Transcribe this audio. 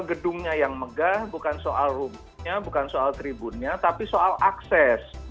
gedungnya yang megah bukan soal rumahnya bukan soal tribunnya tapi soal akses